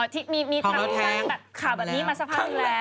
ทำไมแบบขาแบบนี้มาสภาพนึงแล้ว